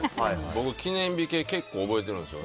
僕、記念日系結構覚えてるんですよ。